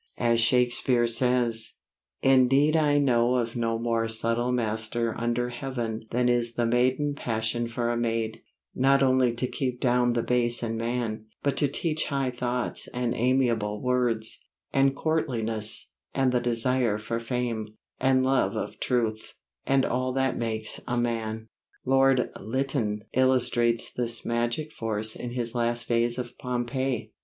As Shakespeare says: Indeed I know Of no more subtle master under heaven Than is the maiden passion for a maid, Not only to keep down the base in man, But to teach high thoughts and amiable words, And courtliness, and the desire for fame, And love of truth, and all that makes a man. Lord Lytton illustrates this magic force in his Last Days of Pompeii.